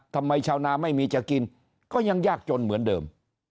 ชาวนาไม่มีจะกินก็ยังยากจนเหมือนเดิม